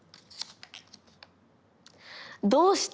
「どうして？」